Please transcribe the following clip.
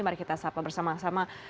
mari kita sapa bersama sama